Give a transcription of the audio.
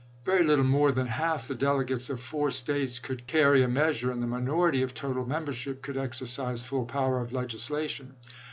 Very little more than half the delegates of four States could carry a measure, and the minority of total membership could exercise full power of leg islation.